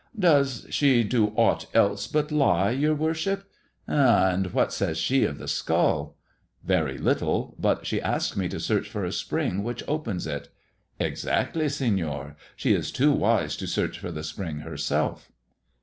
"Does she do aught else but lie, your worship? Eh! and what says she of the skujl 1 "" Very little. But she asked me to search for a spring which opens it." "Exactly, Senor. She is too wise to search for the spring herself."